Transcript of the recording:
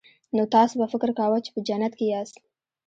نو تاسو به فکر کاوه چې په جنت کې یاست